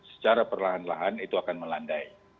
secara perlahan lahan itu akan melandai